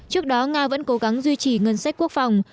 trước đó nga vẫn cố gắng duy trì ngân sách quốc phòng